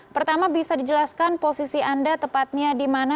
pertama bisa dijelaskan posisi anda tepatnya di mana